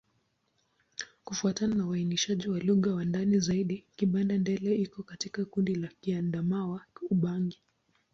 Kufuatana na uainishaji wa lugha kwa ndani zaidi, Kibanda-Ndele iko katika kundi la Kiadamawa-Ubangi.